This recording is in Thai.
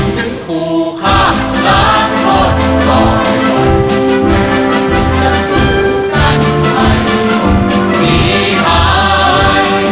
ถึงผู้ข้างล้างคนต่อให้วันจะสู้กันให้มีหาย